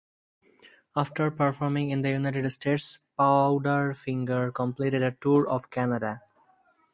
After performing in the United States, Powderfinger completed a tour of Canada.